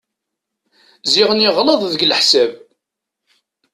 Ziɣen yeɣleḍ deg leḥsab.